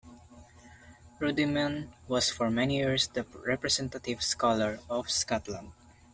Ruddiman was for many years the representative scholar of Scotland.